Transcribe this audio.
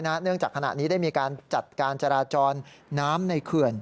เนื่องจากขณะนี้ได้มีการจัดการจราจรน้ำในเขื่อน